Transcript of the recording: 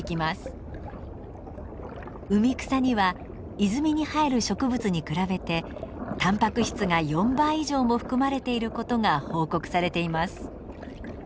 海草には泉に生える植物に比べてたんぱく質が４倍以上も含まれていることが報告されています。